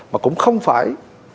mà cũng không phải